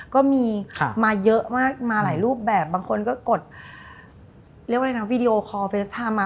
ก็มีมาเยอะมากมาหลายรูปแบบบางคนก็กดเรียกว่าอะไรนะวีดีโอคอลเฟสไทม์มา